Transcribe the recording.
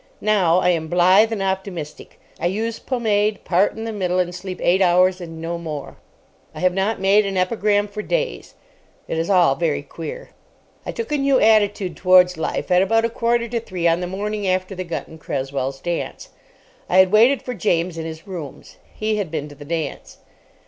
Now I am blithe and optimistic. I use pomade, part in the middle, and sleep eight hours and no more. I have not made an epigram for days. It is all very queer. I took a new attitude towards life at about a quarter to three on the morning after the Gunton Cresswells's dance. I had waited for James in his rooms. He had been to the dance.